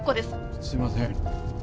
すいません。